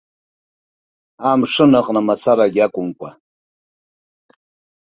Амшын аҟны мацарагьы акәымкәа.